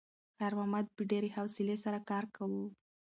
خیر محمد په ډېرې حوصلې سره کار کاوه.